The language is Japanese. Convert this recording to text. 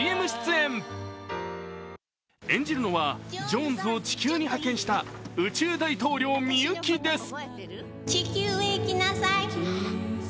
演じるのはジョーンズを地球に派遣した宇宙大統領みゆきです。